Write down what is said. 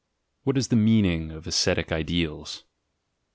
WHAT IS THE MEANING OF ASCETIC IDEALS?